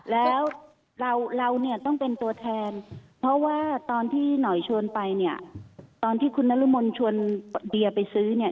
แล้วเราเนี่ยต้องเป็นตัวแทนเพราะว่าตอนที่หน่อยชวนไปเนี่ยตอนที่คุณนรมนชวนเดียไปซื้อเนี่ย